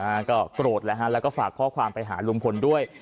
อ่าก็โกรธแล้วฮะแล้วก็ฝากข้อความไปหาลุงพลด้วย